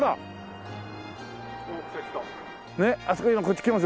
あそこ今こっち来ます。